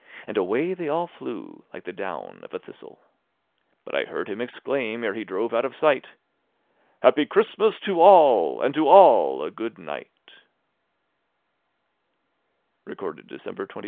And away they all flew like the down of a thistle; But I heard him exclaim, ere he drove out of sight, " Sappy Ckristmaa to all, and to all a good night I " Clement Clarke Moore.